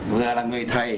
vừa là người thầy